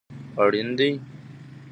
اړین دي